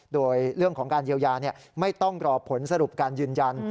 โดยเรื่องของการเยียวยาไม่ต้องรอผลสรุปการยืนยัน